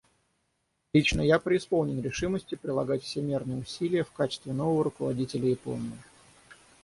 Лично я преисполнен решимости прилагать всемерные усилия в качестве нового руководителя Японии.